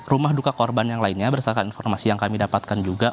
rumah duka korban yang lainnya berdasarkan informasi yang kami dapatkan juga